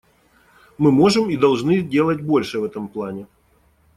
Мы можем и должны делать больше в этом плане.